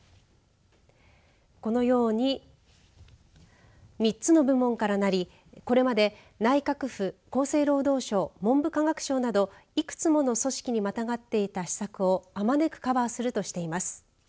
このように３つの部門からなりこれまで、内閣府、厚生労働省文部科学省などいくつもの組織にまたがっていた施策をあまねくカバーするとしています。